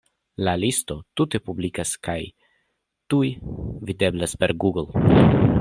La listo tute publikas, kaj tuj videblas per Google.